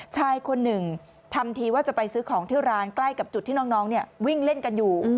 ชายคนหนึ่งทำทีว่าจะไปซื้อของที่ร้านใกล้กับจุดที่น้องวิ่งเล่นกันอยู่